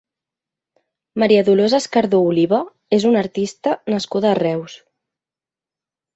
Maria Dolors Escardó Oliva és una artista nascuda a Reus.